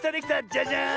じゃじゃん！